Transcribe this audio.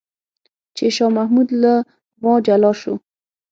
چې شاه محمود له ما جلا شو.